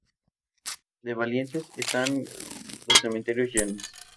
De valientes, están los cementerios llenos